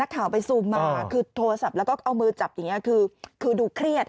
ข่าวไปซูมมาคือโทรศัพท์แล้วก็เอามือจับอย่างนี้คือดูเครียด